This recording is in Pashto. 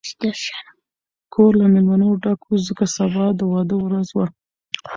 کور له مېلمنو ډک و، ځکه سبا د واده ورځ وه.